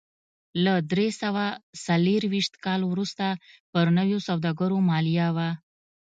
له درې سوه څلرویشت کال وروسته پر نویو سوداګرو مالیه و